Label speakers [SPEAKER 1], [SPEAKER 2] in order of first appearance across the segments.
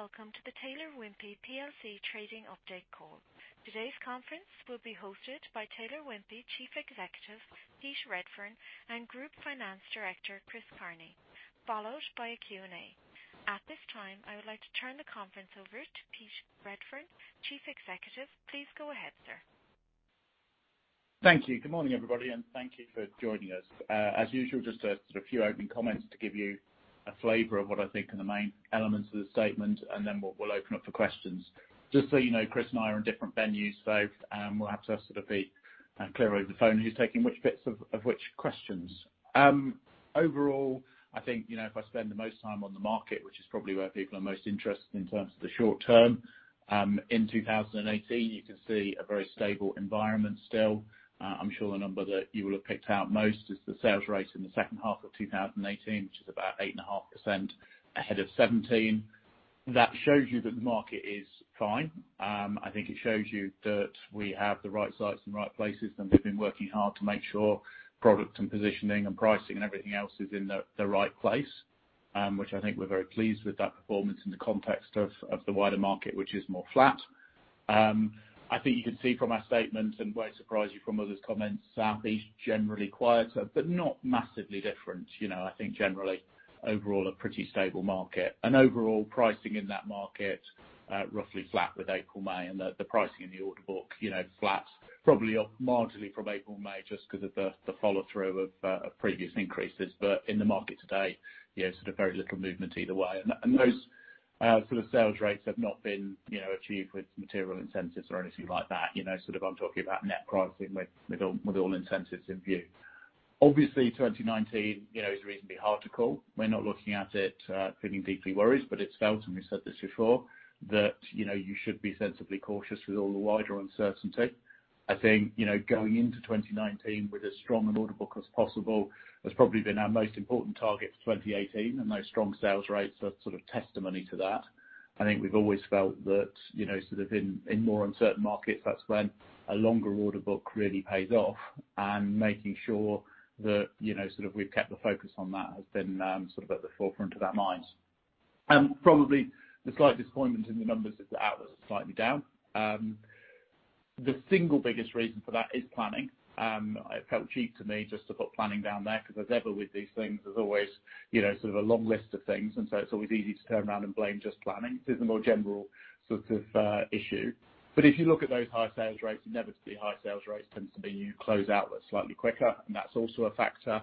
[SPEAKER 1] Morning, welcome to the Taylor Wimpey plc trading update call. Today's conference will be hosted by Taylor Wimpey Chief Executive, Pete Redfern, and Group Finance Director, Chris Carney, followed by a Q&A. At this time, I would like to turn the conference over to Pete Redfern, Chief Executive. Please go ahead, sir.
[SPEAKER 2] Thank you. Good morning, everybody, thank you for joining us. As usual, just a few opening comments to give you a flavor of what I think are the main elements of the statement, and then we'll open up for questions. Just so you know, Chris and I are in different venues, so we'll have to sort of be clear over the phone who's taking which bits of which questions. Overall, I think if I spend the most time on the market, which is probably where people are most interested in terms of the short term, in 2018, you can see a very stable environment still. I'm sure the number that you will have picked out most is the sales rate in the second half of 2018, which is about 8.5% ahead of 2017. That shows you that the market is fine. I think it shows you that we have the right sites in the right places, and we've been working hard to make sure product and positioning and pricing and everything else is in the right place. I think we're very pleased with that performance in the context of the wider market, which is more flat. I think you can see from our statement, won't surprise you from others comments, South East, generally quieter, but not massively different. I think generally overall a pretty stable market. Overall pricing in that market, roughly flat with April-May, and the pricing in the order book flats probably up marginally from April-May just because of the follow-through of previous increases. In the market today, very little movement either way. Those sort of sales rates have not been achieved with material incentives or anything like that. I'm talking about net pricing with all incentives in view. Obviously, 2019 is reasonably hard to call. We're not looking at it feeling deeply worried, but it's felt, and we said this before, that you should be sensibly cautious with all the wider uncertainty. I think, going into 2019 with as strong an order book as possible has probably been our most important target for 2018, and those strong sales rates are sort of testimony to that. I think we've always felt that in more uncertain markets, that's when a longer order book really pays off, and making sure that we've kept the focus on that has been at the forefront of our minds. Probably the slight disappointment in the numbers is the outlook's slightly down. The single biggest reason for that is planning. It felt cheap to me just to put planning down there, because as ever with these things, there's always a long list of things. It's always easy to turn around and blame just planning. This is a more general sort of issue. If you look at those high sales rates, inevitably high sales rates tends to mean you close out slightly quicker, and that's also a factor.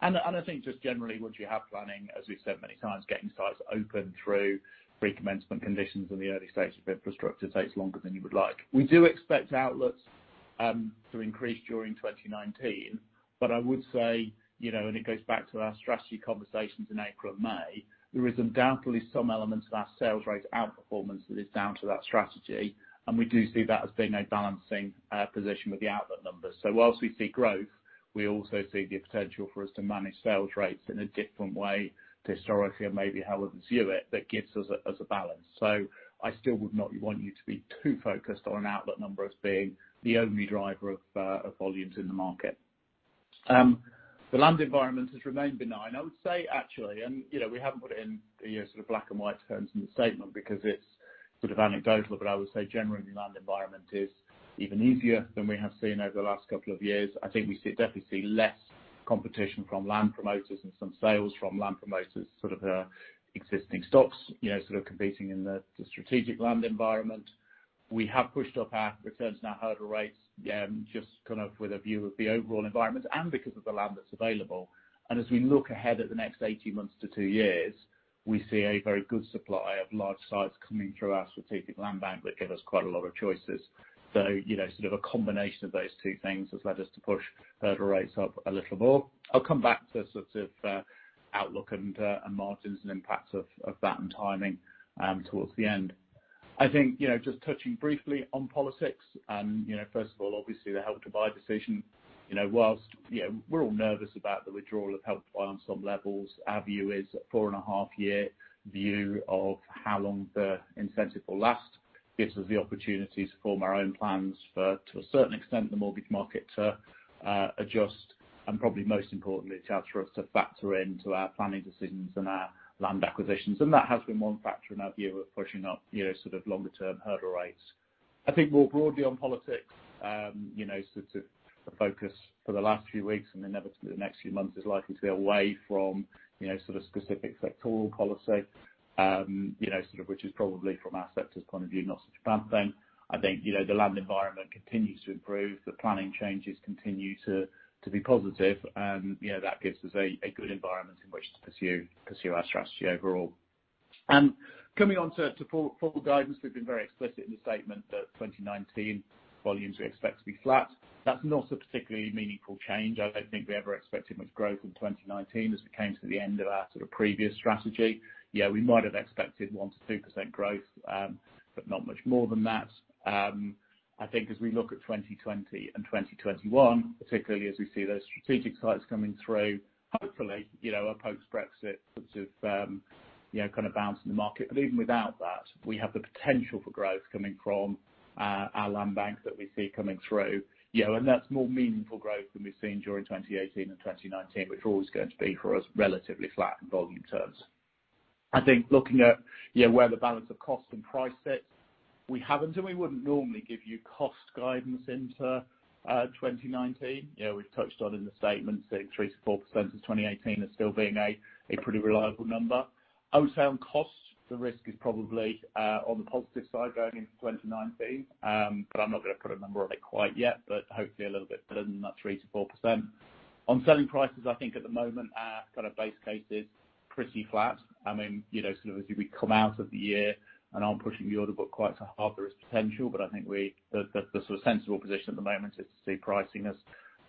[SPEAKER 2] I think just generally once you have planning, as we've said many times, getting sites open through pre-commencement conditions in the early stages of infrastructure takes longer than you would like. We do expect outlets to increase during 2019. I would say, and it goes back to our strategy conversations in April and May, there is undoubtedly some element of our sales rate outperformance that is down to that strategy, and we do see that as being a balancing position with the outlet numbers. Whilst we see growth, we also see the potential for us to manage sales rates in a different way to historically and maybe how others view it, that gives us a balance. I still would not want you to be too focused on an outlet number as being the only driver of volumes in the market. The land environment has remained benign. I would say, actually, we haven't put it in black and white terms in the statement because it's sort of anecdotal, but I would say generally land environment is even easier than we have seen over the last couple of years. I think we definitely see less competition from land promoters and some sales from land promoters, sort of existing stocks competing in the strategic land environment. We have pushed up our returns on our hurdle rates, just with a view of the overall environment and because of the land that's available. As we look ahead at the next 18 months to two years, we see a very good supply of large sites coming through our strategic land bank, which give us quite a lot of choices. A combination of those two things has led us to push hurdle rates up a little more. I'll come back to outlook and margins and impacts of that and timing towards the end. I think just touching briefly on politics, first of all, obviously the Help to Buy decision, whilst we're all nervous about the withdrawal of Help to Buy on some levels, our view is a 4.5 year view of how long the incentive will last gives us the opportunity to form our own plans for, to a certain extent, the mortgage market to adjust, and probably most importantly, it allows for us to factor into our planning decisions and our land acquisitions. That has been one factor in our view of pushing up longer-term hurdle rates. I think more broadly on politics, the focus for the last few weeks and inevitably the next few months is likely to be away from specific sectoral policy, which is probably from our sector's point of view not such a bad thing. I think the land environment continues to improve. The planning changes continue to be positive. That gives us a good environment in which to pursue our strategy overall. Coming on to forward guidance, we've been very explicit in the statement that 2019 volumes we expect to be flat. That's not a particularly meaningful change. I don't think we ever expected much growth in 2019 as we came to the end of our previous strategy. We might have expected 1%-2% growth, but not much more than that. I think as we look at 2020 and 2021, particularly as we see those strategic sites coming through, hopefully, a post-Brexit kind of bounce in the market. Even without that, we have the potential for growth coming from our land banks that we see coming through. That's more meaningful growth than we've seen during 2018 and 2019, which are always going to be for us, relatively flat in volume terms. I think looking at where the balance of cost and price sits, we haven't, and we wouldn't normally give you cost guidance into 2019. We've touched on in the statement saying 3%-4% since 2018 as still being a pretty reliable number. I would say on costs, the risk is probably on the positive side going into 2019. I'm not going to put a number on it quite yet, but hopefully a little bit better than that 3%-4%. On selling prices, I think at the moment our kind of base case is pretty flat. As we come out of the year and aren't pushing the order book quite so hard, there is potential, but I think the sensible position at the moment is to see pricing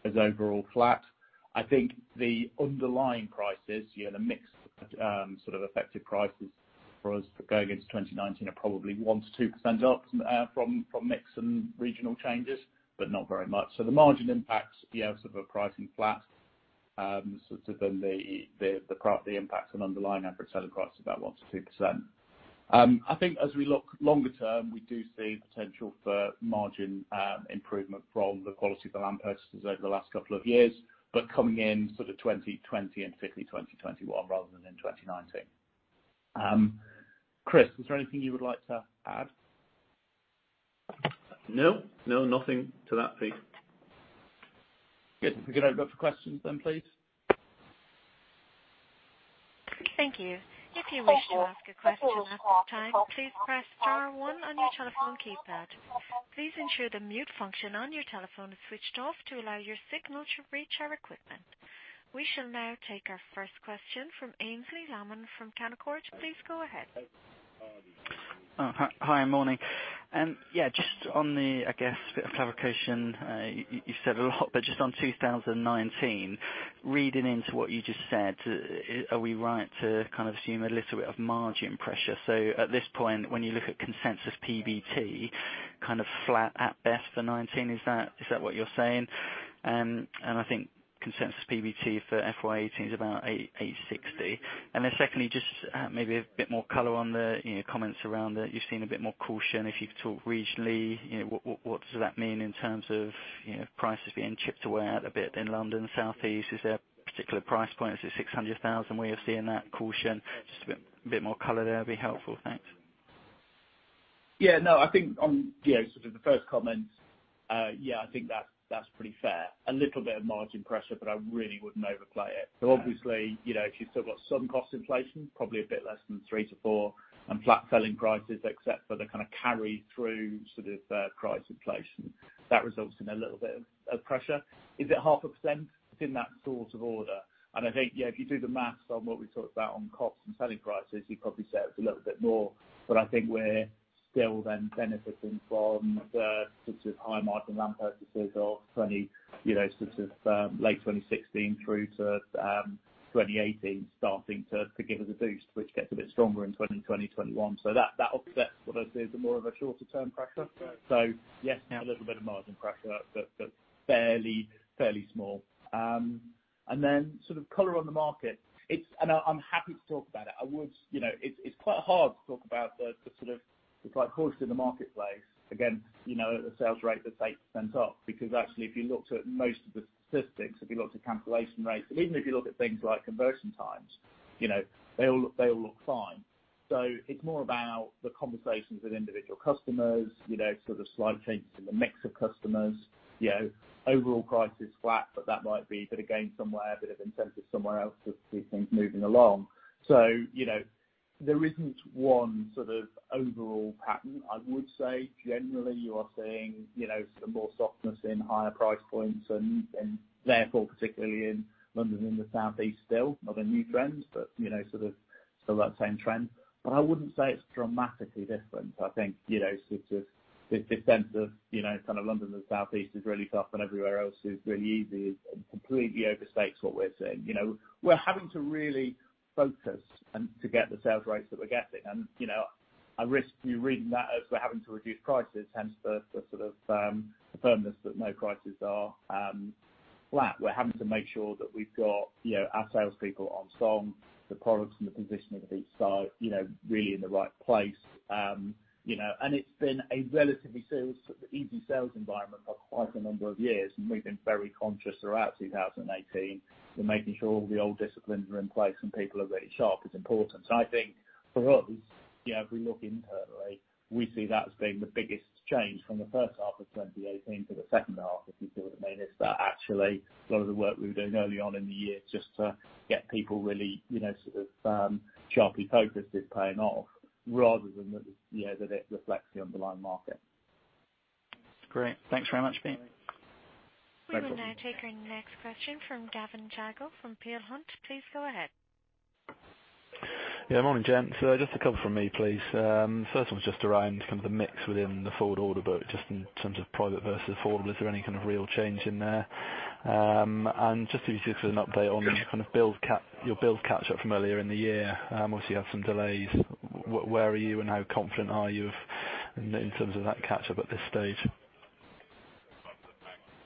[SPEAKER 2] as overall flat. I think the underlying prices, the mix of effective prices for us going into 2019 are probably 1%-2% up from mix and regional changes, but not very much. The margin impact, yes, of a pricing flat, than the net impact on underlying average selling price is about 1%-2%. I think as we look longer term, we do see potential for margin improvement from the quality of the land purchases over the last couple of years, but coming in sort of 2020 and certainly 2021 rather than in 2019. Chris, was there anything you would like to add?
[SPEAKER 3] No. Nothing to that, Pete.
[SPEAKER 2] Good. We could open up for questions, please.
[SPEAKER 1] Thank you. You wish to ask a question at this time, please press star one on your telephone keypad. Please ensure the mute function on your telephone is switched off to allow your signal to reach our equipment. We shall now take our first question from Aynsley Lammin from Canaccord. Please go ahead.
[SPEAKER 4] Hi, morning. On the, I guess, bit of clarification, you've said a lot, on 2019, reading into what you just said, are we right to assume a little bit of margin pressure? At this point, when you look at consensus PBT, kind of flat at best for 2019. Is that what you're saying? I think consensus PBT for FY 2018 is about 860 million. Secondly, maybe a bit more color on the comments around that you've seen a bit more caution. You could talk regionally, what does that mean in terms of prices being chipped away at a bit in London, South East? Is there a particular price point? Is it 600,000 where you're seeing that caution? A bit more color there would be helpful. Thanks.
[SPEAKER 2] I think on the first comment, I think that's pretty fair. A little bit of margin pressure, but I really wouldn't overplay it. Obviously, if you've still got some cost inflation, probably a bit less than 3%-4%, and flat selling prices except for the kind of carry through price inflation, that results in a little bit of pressure. Is it 0.5%? It's in that sort of order. I think if you do the math on what we talked about on costs and selling prices, you probably say it's a little bit more. I think we're still then benefiting from the high margin land purchases of late 2016 through to 2018 starting to give us a boost, which gets a bit stronger in 2020, 2021. That offsets what is more of a shorter term pressure. Yes and no, a little bit of margin pressure, but fairly small. Then color on the market. I'm happy to talk about it. It's quite hard to talk about the sort of, if I call it in the marketplace, again, at the sales rate that's 8% up. Actually, if you looked at most of the statistics, if you looked at cancellation rates, and even if you look at things like conversion times, they all look fine. It's more about the conversations with individual customers, sort of slight changes in the mix of customers. Overall price is flat, but that might be bit of gain somewhere, a bit of incentive somewhere else to keep things moving along. There isn't one sort of overall pattern. I would say generally you are seeing some more softness in higher price points and therefore particularly in London and the South East still. Not a new trend, but sort of still that same trend. I wouldn't say it's dramatically different. I think this sense of London and the South East is really tough and everywhere else is really easy completely overstates what we're seeing. We're having to really focus to get the sales rates that we're getting. I risk you reading that as we're having to reduce prices, hence the sort of firmness that no prices are flat. We're having to make sure that we've got our salespeople on song, the products and the positioning of each site really in the right place. It's been a relatively easy sales environment for quite a number of years, and we've been very conscious throughout 2018. We're making sure all the old disciplines are in place, and people are really sharp. It's important. I think for us, if we look internally, we see that as being the biggest change from the first half of 2018 to the second half, if you see what I mean, is that actually a lot of the work we were doing early on in the year just to get people really sharply focused is paying off rather than that it reflects the underlying market.
[SPEAKER 4] Great. Thanks very much, Pete.
[SPEAKER 2] Thanks.
[SPEAKER 1] We will now be taking the next question from Gavin Jago from Peel Hunt. Please go ahead.
[SPEAKER 5] Yeah. Morning, gents. Just a couple from me, please. First one is just around kind of the mix within the forward order book, just in terms of private versus affordable. Is there any kind of real change in there? Just if you could give us an update on your build catch-up from earlier in the year. Obviously, you had some delays. Where are you and how confident are you in terms of that catch-up at this stage?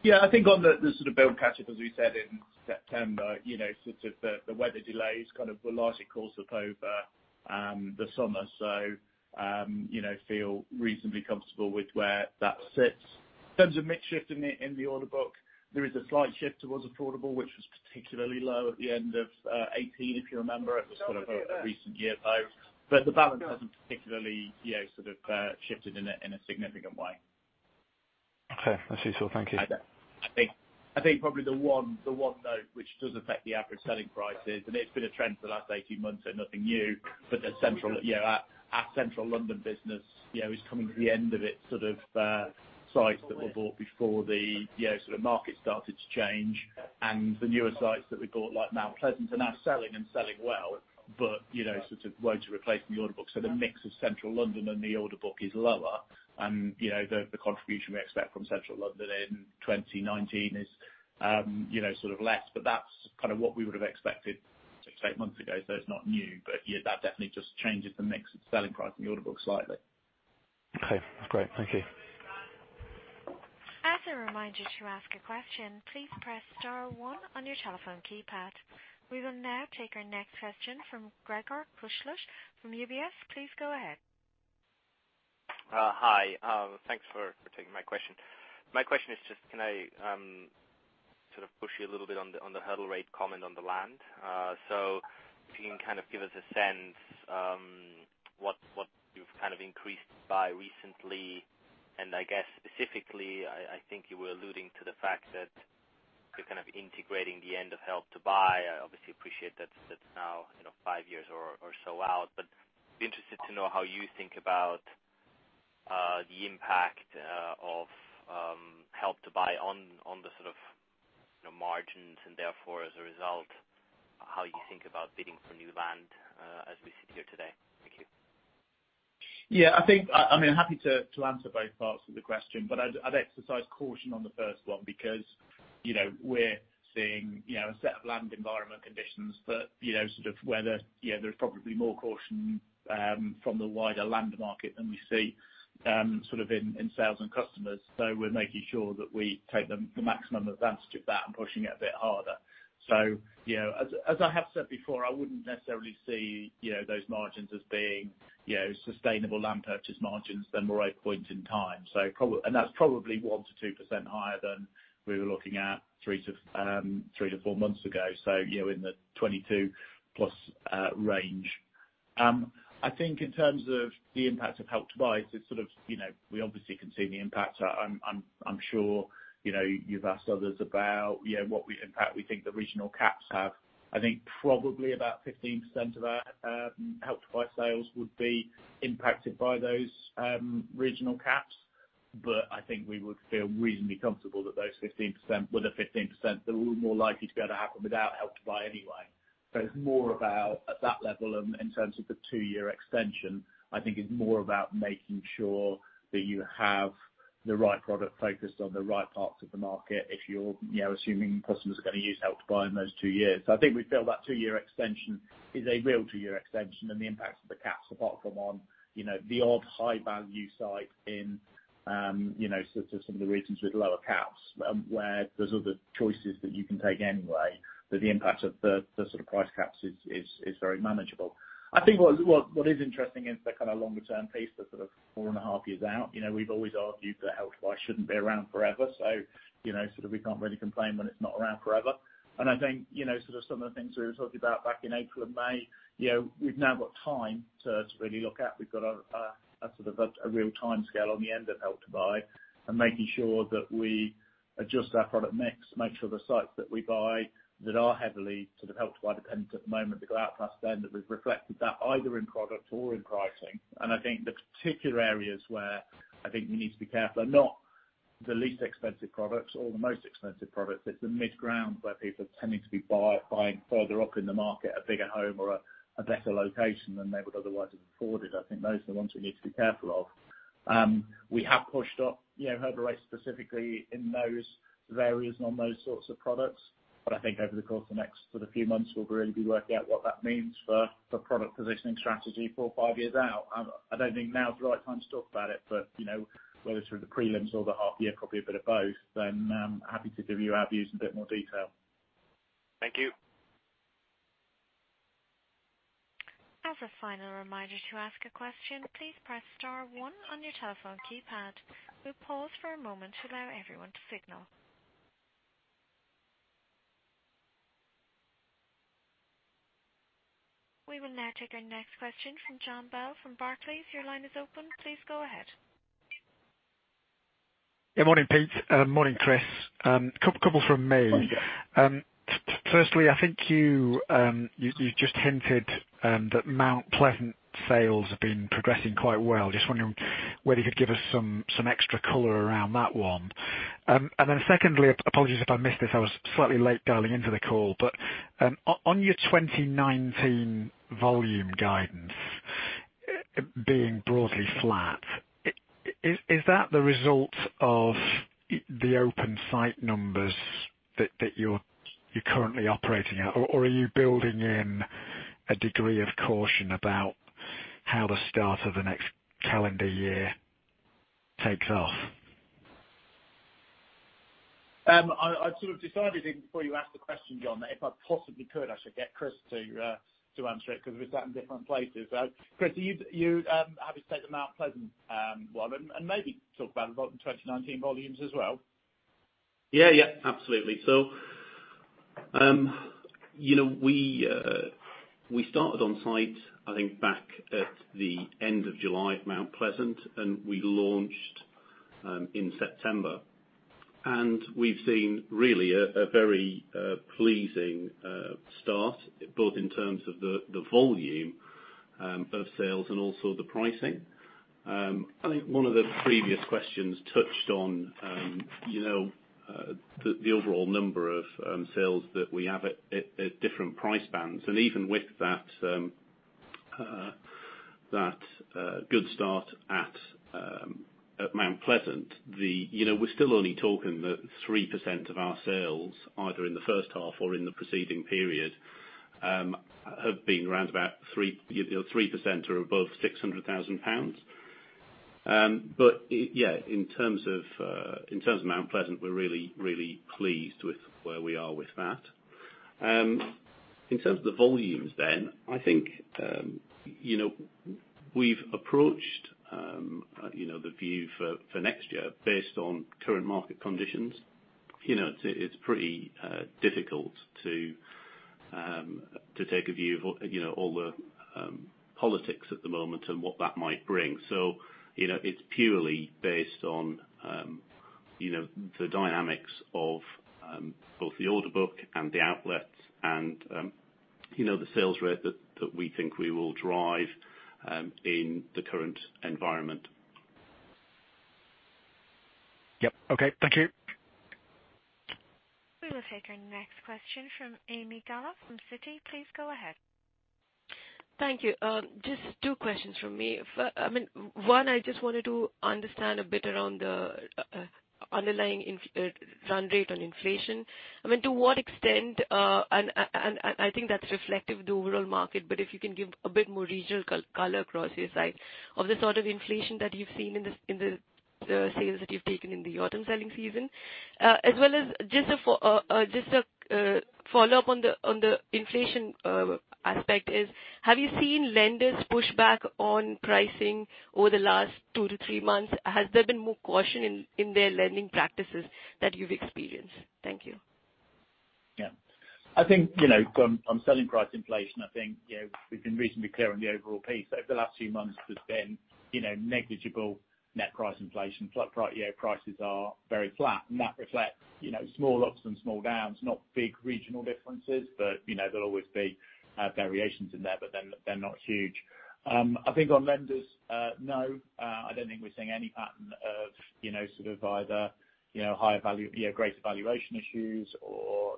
[SPEAKER 2] Yeah, I think on the sort of build catch-up, as we said in September, the weather delays kind of largely caught up over the summer. Feel reasonably comfortable with where that sits. In terms of mix shift in the order book, there is a slight shift towards affordable, which was particularly low at the end of 2018, if you remember. It was sort of a recent year low, but the balance hasn't particularly shifted in a significant way.
[SPEAKER 5] Okay, I see. Thank you.
[SPEAKER 2] I think probably the one though which does affect the average selling prices, it's been a trend for the last 18 months, nothing new, but our Central London business is coming to the end of its sites that were bought before the market started to change, and the newer sites that we bought, like Mount Pleasant, are now selling and selling well. Won't replace the order book, the mix of Central London and the order book is lower. The contribution we expect from Central London in 2019 is less, but that's what we would have expected six to eight months ago, it's not new. That definitely just changes the mix of selling price in the order book slightly.
[SPEAKER 5] Okay. That's great. Thank you.
[SPEAKER 1] As a reminder to ask a question, please press star one on your telephone keypad. We will now take our next question from Gregor Kuglitsch from UBS. Please go ahead.
[SPEAKER 6] Hi. Thanks for taking my question. My question is just, can I push you a little bit on the hurdle rate comment on the land? If you can kind of give us a sense what you've increased by recently, and I guess specifically, I think you were alluding to the fact that you're kind of integrating the end of Help to Buy. I obviously appreciate that's now five years or so out, but be interested to know how you think about the impact of Help to Buy on the margins and therefore, as a result, how you think about bidding for new land as we sit here today. Thank you.
[SPEAKER 2] I'm happy to answer both parts of the question, but I'd exercise caution on the first one because we're seeing a set of land environment conditions where there's probably more caution from the wider land market than we see in sales and customers. We're making sure that we take the maximum advantage of that and pushing it a bit harder. As I have said before, I wouldn't necessarily see those margins as being sustainable land purchase margins than the right point in time. That's probably 1%-2% higher than we were looking at three to four months ago. In the 22+ range. I think in terms of the impact of Help to Buy, we obviously can see the impact. I'm sure you've asked others about what impact we think the regional caps have. I think probably about 15% of our Help to Buy sales would be impacted by those regional caps, but I think we would feel reasonably comfortable that those 15% were the 15% that were more likely to be able to happen without Help to Buy anyway. It's more about at that level and in terms of the two-year extension, I think it's more about making sure that you have the right product focused on the right parts of the market if you're assuming customers are going to use Help to Buy in those two years. I think we feel that two-year extension is a real two-year extension and the impact of the caps, apart from on the odd high value site in some of the regions with lower caps, where there's other choices that you can take anyway, but the impact of the price caps is very manageable. I think what is interesting is the kind of longer term piece, the four and a half years out. We've always argued that Help to Buy shouldn't be around forever, so we can't really complain when it's not around forever. I think some of the things we were talking about back in April and May, we've now got time to really look at. We've got a real timescale on the end of Help to Buy and making sure that we adjust our product mix, make sure the sites that we buy that are heavily Help to Buy dependent at the moment, that go out past then, that we've reflected that either in product or in pricing. I think the particular areas where I think we need to be careful are not the least expensive products or the most expensive products. It's the mid ground where people are tending to be buying further up in the market, a bigger home or a better location than they would otherwise have afforded. I think those are the ones we need to be careful of. We have pushed up hurdle rates specifically in those areas and on those sorts of products. I think over the course of the next few months, we'll really be working out what that means for product positioning strategy four or five years out. I don't think now is the right time to talk about it, but whether it's through the prelims or the half year, probably a bit of both, I'm happy to give you our views in a bit more detail.
[SPEAKER 6] Thank you.
[SPEAKER 1] As a final reminder to ask a question, please press star one on your telephone keypad. We'll pause for a moment to allow everyone to signal. We will now take our next question from Jon Bell from Barclays. Your line is open. Please go ahead.
[SPEAKER 7] Morning, Pete. Morning, Chris. A couple from me.
[SPEAKER 2] Morning, Jon.
[SPEAKER 7] Firstly, I think you just hinted that Mount Pleasant sales have been progressing quite well. Just wondering whether you could give us some extra color around that one. Secondly, apologies if I missed this, I was slightly late dialing into the call, on your 2019 volume guidance being broadly flat, is that the result of the open site numbers that you're currently operating at? Are you building in a degree of caution about how the start of the next calendar year takes off?
[SPEAKER 2] I sort of decided even before you asked the question, Jon, that if I possibly could, I should get Chris to answer it because we sat in different places. Chris, are you happy to take the Mount Pleasant one and maybe talk about the 2019 volumes as well?
[SPEAKER 3] Absolutely. We started on site, I think back at the end of July at Mount Pleasant, and we launched in September. We've seen really a very pleasing start, both in terms of the volume of sales and also the pricing. I think one of the previous questions touched on the overall number of sales that we have at different price bands. Even with that good start at Mount Pleasant, we're still only talking that 3% of our sales, either in the first half or in the preceding period, have been around 3% or above GBP 600,000. In terms of Mount Pleasant, we're really, really pleased with where we are with that. In terms of the volumes, I think we've approached the view for next year based on current market conditions. It's pretty difficult to take a view of all the politics at the moment and what that might bring. It's purely based on the dynamics of both the order book and the outlets and the sales rate that we think we will drive in the current environment.
[SPEAKER 7] Yep. Okay. Thank you.
[SPEAKER 1] We will take our next question from Ami Galla from Citi. Please go ahead.
[SPEAKER 8] Thank you. Just two questions from me. One, I just wanted to understand a bit around the underlying run rate on inflation. To what extent, and I think that's reflective of the overall market, but if you can give a bit more regional color across your side of the sort of inflation that you've seen in the sales that you've taken in the autumn selling season. As well as just a follow-up on the inflation aspect is, have you seen lenders push back on pricing over the last two to three months? Has there been more caution in their lending practices that you've experienced? Thank you.
[SPEAKER 2] Yeah. I think from selling price inflation, I think we've been reasonably clear on the overall piece. Over the last two months, there's been negligible net price inflation. Prices are very flat, and that reflects small ups and small downs, not big regional differences. There'll always be variations in there, but they're not huge. I think on lenders, no, I don't think we're seeing any pattern of either greater valuation issues or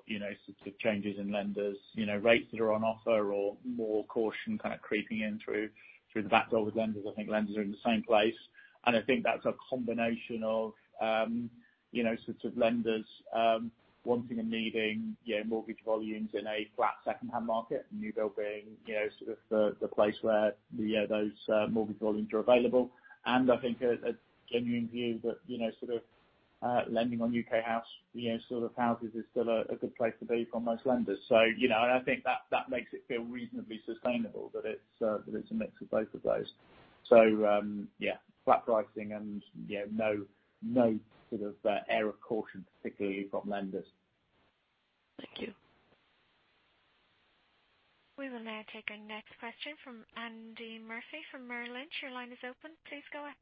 [SPEAKER 2] changes in lenders' rates that are on offer or more caution kind of creeping in through the back door with lenders. I think lenders are in the same place, and I think that's a combination of lenders wanting and needing mortgage volumes in a flat secondhand market, new build being sort of the place where those mortgage volumes are available. I think a genuine view that lending on U.K. houses is still a good place to be for most lenders. I think that makes it feel reasonably sustainable, but it's a mix of both of those. Yeah, flat pricing and no air of caution, particularly from lenders.
[SPEAKER 8] Thank you.
[SPEAKER 1] We will now take our next question from Andy Murphy from Merrill Lynch. Your line is open. Please go ahead.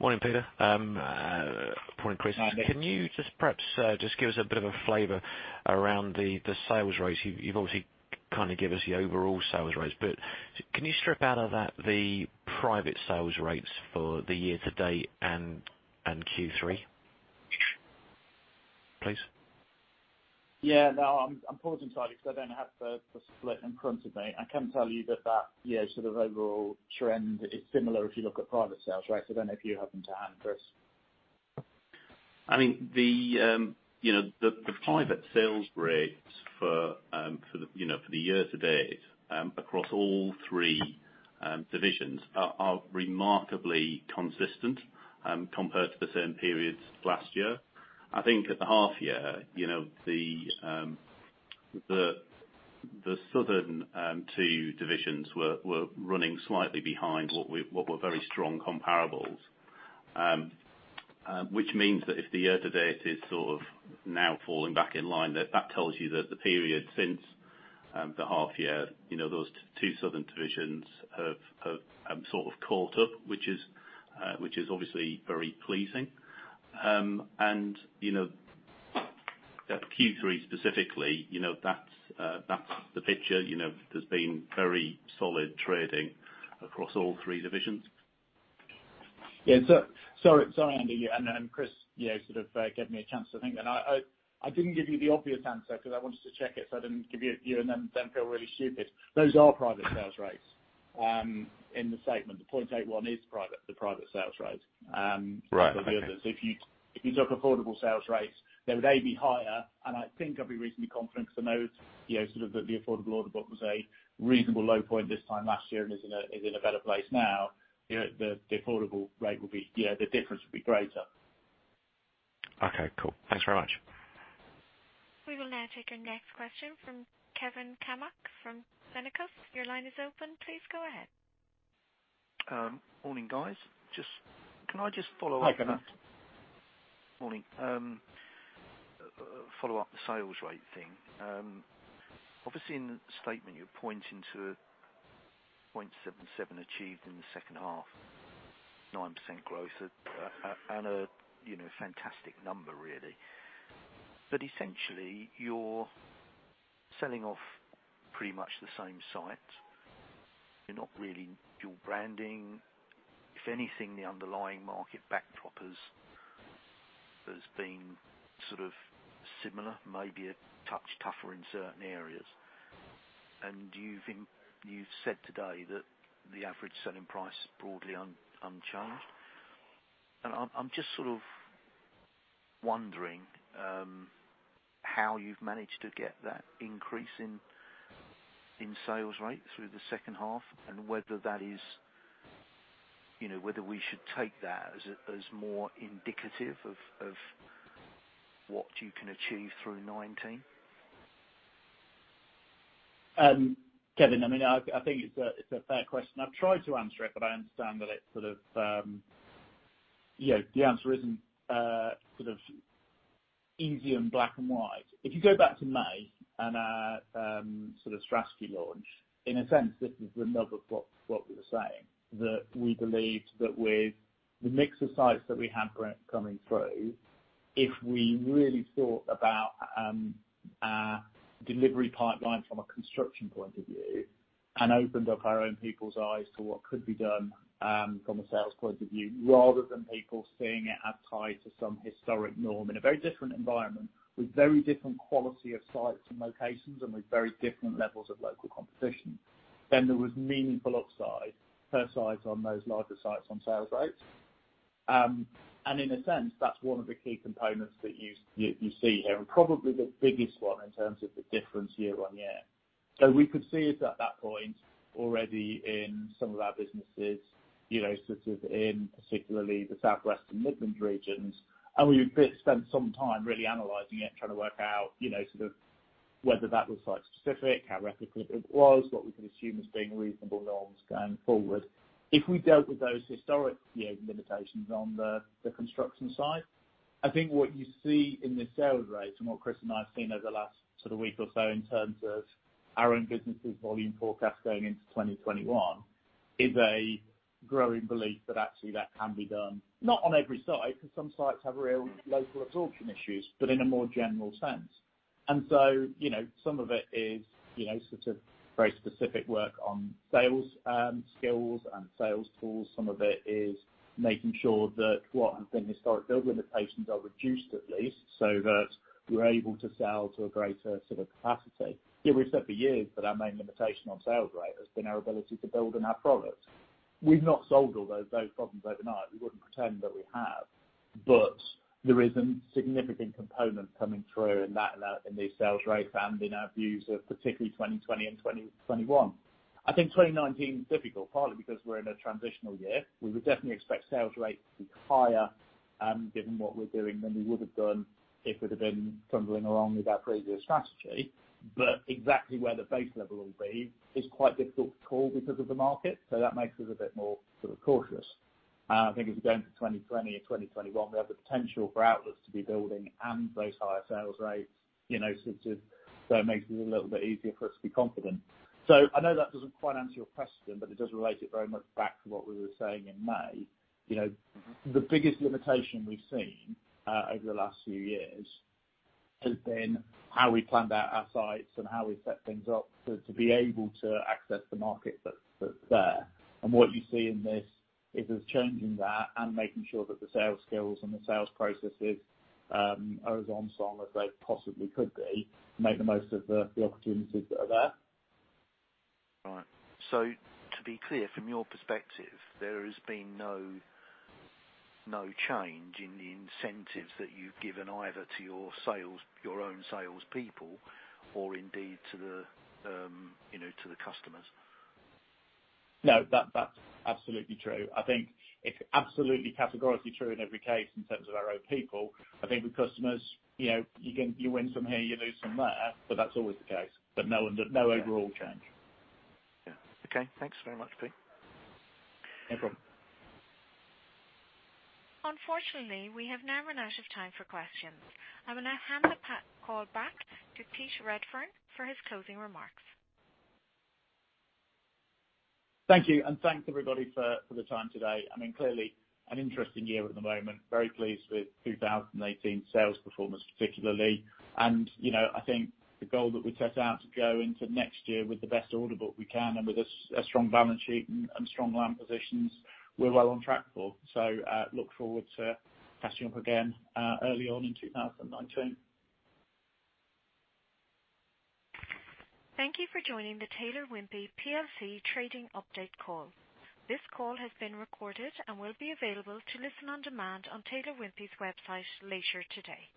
[SPEAKER 9] Morning, Peter. Morning, Chris.
[SPEAKER 2] Hi.
[SPEAKER 9] Can you just perhaps just give us a bit of a flavor around the sales rates? You've obviously kind of given us the overall sales rates. Can you strip out of that the private sales rates for the year to date and Q3, please?
[SPEAKER 2] Yeah. No, I'm pausing slightly because I don't have the split in front of me. I can tell you that sort of overall trend is similar if you look at private sales rates. I don't know if you have them to hand, Chris.
[SPEAKER 3] The private sales rates for the year to date across all three divisions are remarkably consistent compared to the same periods last year. I think at the half year, the southern two divisions were running slightly behind what were very strong comparables. Which means that if the year to date is sort of now falling back in line, that tells you that the period since the half year, those two southern divisions have sort of caught up, which is obviously very pleasing. Q3 specifically, that's the picture. There's been very solid trading across all three divisions.
[SPEAKER 2] Yeah. Sorry, Andy, Chris gave me a chance to think. I didn't give you the obvious answer because I wanted to check it so I didn't give you a view and then feel really stupid. Those are private sales rates in the statement. The 0.81 is the private sales rate.
[SPEAKER 9] Right. Okay.
[SPEAKER 2] For the others. If you look at affordable sales rates, they would, A, be higher, and I think I'd be reasonably confident because I know the affordable order book was a reasonable low point this time last year and is in a better place now. The difference will be greater. Okay, cool. Thanks very much.
[SPEAKER 1] We will now take our next question from Kevin Cammack from Cenkos. Your line is open. Please go ahead.
[SPEAKER 10] Morning, guys. Can I just follow up.
[SPEAKER 2] Hi, Kevin.
[SPEAKER 10] Morning. Follow up the sales rate thing. Obviously, in the statement you're pointing to 0.77 achieved in the second half, 9% growth, and a fantastic number really. Essentially, you're selling off pretty much the same site. You're not really dual branding. If anything, the underlying market backdrop has been sort of similar, maybe a touch tougher in certain areas. You've said today that the average selling price is broadly unchanged. I'm just sort of wondering, how you've managed to get that increase in sales rate through the second half and whether we should take that as more indicative of what you can achieve through 2019.
[SPEAKER 2] Kevin, I think it's a fair question. I've tried to answer it. I understand that the answer isn't easy and black and white. If you go back to May and our strategy launch, in a sense, this is another what we were saying, that we believed that with the mix of sites that we had coming through, if we really thought about our delivery pipeline from a construction point of view and opened up our own people's eyes to what could be done, from a sales point of view, rather than people seeing it as tied to some historic norm in a very different environment, with very different quality of sites and locations and with very different levels of local competition, then there was meaningful upside per site on those larger sites on sales rates. In a sense, that's one of the key components that you see here, and probably the biggest one in terms of the difference year on year. We could see it at that point already in some of our businesses, in particularly the South West and Midlands regions. We spent some time really analyzing it, trying to work out whether that was site specific, how replicative it was, what we could assume as being reasonable norms going forward. If we dealt with those historic limitations on the construction side, I think what you see in the sales rates and what Chris and I have seen over the last week or so in terms of our own businesses volume forecast going into 2021, is a growing belief that actually that can be done, not on every site, because some sites have real local absorption issues, but in a more general sense. Some of it is very specific work on sales skills and sales tools. Some of it is making sure that what have been historic build limitations are reduced at least, so that we're able to sell to a greater capacity. Here we've said for years that our main limitation on sales rate has been our ability to build on our product. We've not solved all those problems overnight. We wouldn't pretend that we have. There is a significant component coming through in these sales rates and in our views of particularly 2020 and 2021. I think 2019 is difficult partly because we're in a transitional year. We would definitely expect sales rates to be higher, given what we're doing than we would have done if we'd have been trundling along with our previous strategy. Exactly where the base level will be is quite difficult to call because of the market, so that makes us a bit more cautious. I think as we go into 2020 and 2021, we have the potential for outlets to be building and those higher sales rates, so it makes it a little bit easier for us to be confident. I know that doesn't quite answer your question, but it does relate it very much back to what we were saying in May. The biggest limitation we've seen over the last few years has been how we planned out our sites and how we set things up to be able to access the market that's there. What you see in this is us changing that and making sure that the sales skills and the sales processes are as nimble as they possibly could be to make the most of the opportunities that are there.
[SPEAKER 10] Right. To be clear, from your perspective, there has been no change in the incentives that you've given either to your own sales people or indeed to the customers.
[SPEAKER 2] No. That's absolutely true. I think it's absolutely categorically true in every case in terms of our own people. I think with customers, you win some here, you lose some there, that's always the case. No overall change.
[SPEAKER 10] Yeah. Okay. Thanks very much, Pete.
[SPEAKER 2] No problem.
[SPEAKER 1] Unfortunately, we have now run out of time for questions. I will now hand the call back to Pete Redfern for his closing remarks.
[SPEAKER 2] Thank you, and thanks everybody for the time today. Clearly an interesting year at the moment. Very pleased with 2018 sales performance, particularly. I think the goal that we set out to go into next year with the best order book we can and with a strong balance sheet and strong land positions, we're well on track for. Look forward to catching up again early on in 2019.
[SPEAKER 1] Thank you for joining the Taylor Wimpey plc trading update call. This call has been recorded and will be available to listen on demand on Taylor Wimpey's website later today.